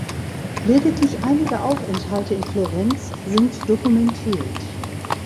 Lediglich einige Aufenthalte in Florenz sind dokumentiert.